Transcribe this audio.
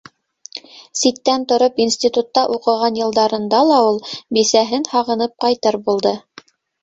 Ситтән тороп институтта уҡыған йылдарында ла ул бисәһен һағынып ҡайтыр булды.